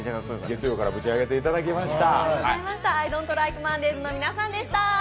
月曜からぶち上げていただきました。